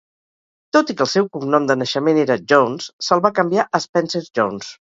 Tot i que el seu cognom de naixement era "Jones", se'l va canviar a "Spencer Jones".